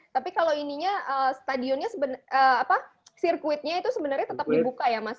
tapi kalau ininya stadionnya sirkuitnya itu sebenarnya tetap dibuka ya mas